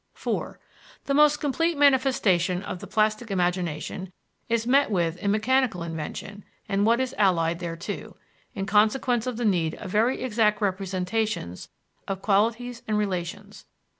4. The most complete manifestation of the plastic imagination is met with in mechanical invention and what is allied thereto, in consequence of the need of very exact representations of qualities and relations.